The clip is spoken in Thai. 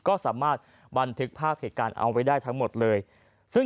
ก็สามารถบันทึกภาพเหตุการณ์เอาไว้ได้ทั้งหมดเลยซึ่ง